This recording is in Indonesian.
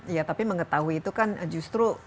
iya tapi mengetahui itu kan justru